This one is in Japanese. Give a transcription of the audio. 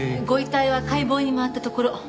ご遺体は解剖に回ったところ。